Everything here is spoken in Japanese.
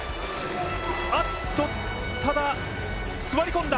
あっと、ただ座り込んだ。